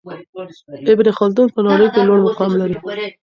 ابن خلدون په نړۍ کي لوړ مقام لري.